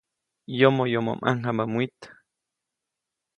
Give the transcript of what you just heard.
Yomoyomo ʼmaŋjamba mwit.